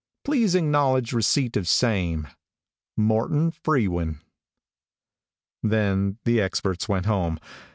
Please acknowledge receipt of saine. "Morton Frewen." Then the experts went home.